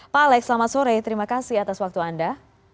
pak alex selamat sore terima kasih atas waktu anda